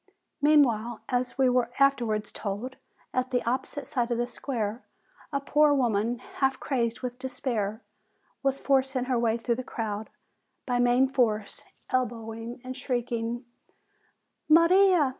Meanwhile, as we were afterwards told, at the opposite side of the square a poor woman, half crazed with despair, was forcing her way through the crowd, by main force, elbowing, and shrieking: "Maria!